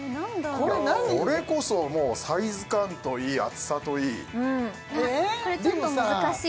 これこそサイズ感といい厚さといい